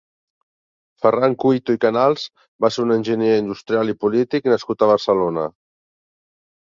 Ferran Cuito i Canals va ser un enginyer industrial i polític nascut a Barcelona.